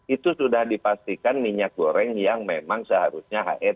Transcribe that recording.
itu sudah dipastikan minyak goreng yang memang seharusnya hr